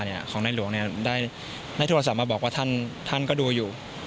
ของในหลวงได้โทรศัพท์มาบอกว่าท่านก็ดูอยู่